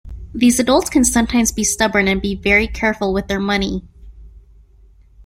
These adults can sometimes be stubborn and be very careful with their money.